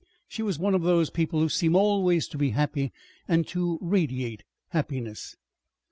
She was one of those people who seem always to be happy and to radiate happiness.